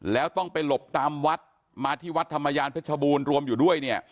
แล้วต้องไปหลบตามวัดมาที่วัดธรรมยานเพชรบูรณ์รวมอยู่ด้วยเนี่ย